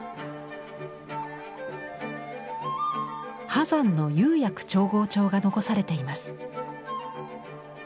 波山の釉薬調合帳が残されています。